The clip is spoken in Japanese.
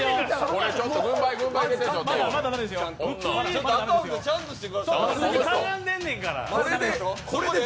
これちょっと、軍配入れて。